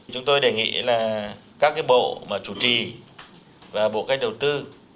chúng tôi đề nghị là các bộ mà chủ trì và bộ cách đầu tư